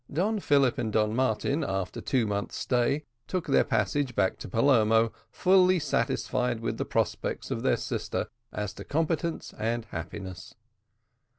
Don Philip and Don Martin, after two months' stay, took their passage back to Palermo, fully satisfied with the prospects of their sister as to competence and happiness.